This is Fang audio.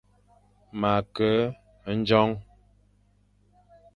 Ma ke ndjong.